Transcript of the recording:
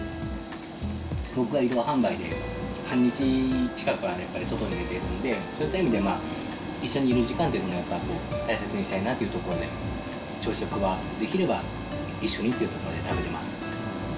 僕が移動販売で半日近くはやっぱり外に出るんで、そういった意味で、一緒にいる時間をやっぱり大切にしたいなというところで、朝食はできれば、一緒にっていうところで食べてます。